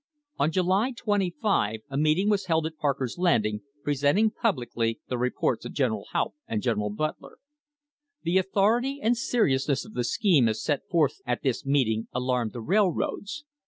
On July 25 a meeting was held at Parker's Landing, presenting publicly STRENGTHENING THE FOUNDATIONS the reports of General Haupt and General Butler. The authority and seriousness of the scheme as set forth at this meeting alarmed the railroads.